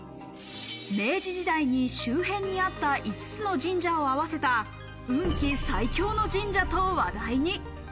明治時代に周辺にあった５つの神社を合わせた運気最強の神社と話題に。